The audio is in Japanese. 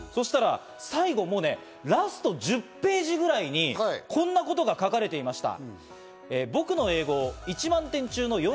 最後、ラスト１０ページぐらいにこんなことが書かれていました。